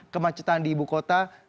kemacetan di ibu kota